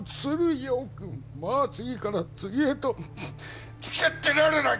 よくまあ次から次へとつきあってられない！